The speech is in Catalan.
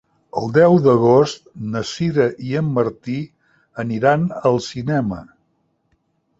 El deu d'agost na Sira i en Martí aniran al cinema.